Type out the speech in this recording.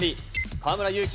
河村勇輝